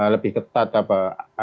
lebih ketat apa